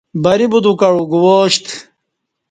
بری بدو کعو گواشتہ